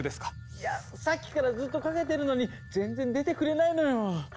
いやさっきからずっとかけてるのに全然出てくれないのよ。